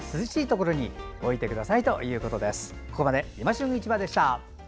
ここまで「いま旬市場」でした。